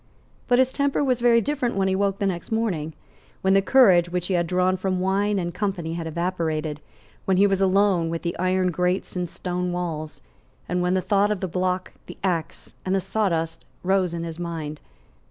But his temper was very different when he woke the next morning, when the courage which he had drawn from wine and company had evaporated, when he was alone with the iron grates and stone walls, and when the thought of the block, the axe and the sawdust rose in his mind.